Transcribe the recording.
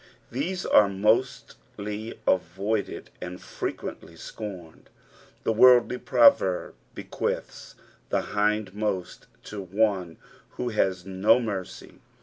These are mostly avoided and frequently scorned. Tiie worldly proverb bequeaths the hindmost to one who has no mercy.